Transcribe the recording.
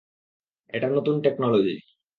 এটা নতুন টেকনোলজি।